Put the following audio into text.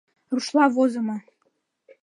Рушла возымо.